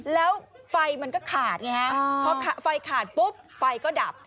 แล้วไฟมันก็ขาดไงฮะพอไฟขาดปุ๊บไฟก็ดับ